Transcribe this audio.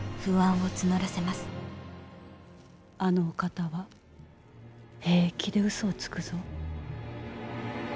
あのお方は平気で嘘をつくぞ。